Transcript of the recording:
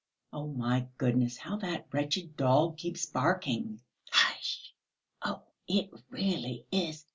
"Oh, my goodness, how that wretched dog keeps barking!" "Hush! Oh, it really is....